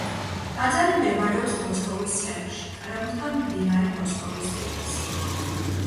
ტაძარი მდებარეობს მოსკოვის ცენტრში კრემლთან მდინარე მოსკოვის პირას.